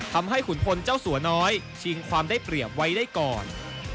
ขุนพลเจ้าสัวน้อยชิงความได้เปรียบไว้ได้ก่อน